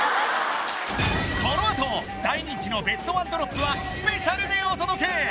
このあと大人気のベストワンドロップはスペシャルでお届け！